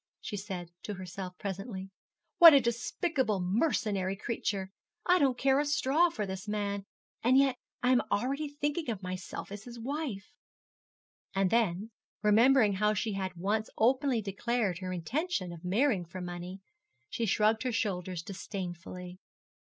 she said to herself presently; 'what a despicable, mercenary creature! I don't care a straw for this man; and yet I am already thinking of myself as his wife.' And then, remembering how she had once openly declared her intention of marrying for money, she shrugged her shoulders disdainfully.